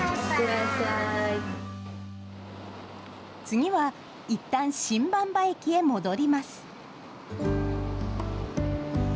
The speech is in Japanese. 次は、いったん新馬場駅へ戻ります。